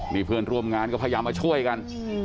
นี่เพื่อนร่วมงานก็พยายามมาช่วยกัน